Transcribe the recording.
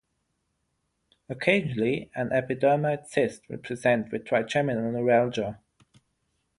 Occasionally, an epidermoid cyst will present with Trigeminal neuralgia.